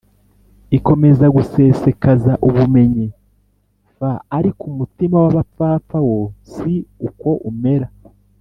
ikomeza gusesekaza ubumenyi f ariko umutima w abapfapfa wo si uko umera